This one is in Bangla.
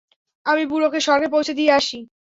আমি বুড়োকে স্বর্গে পৌঁছে দিয়ে আসি।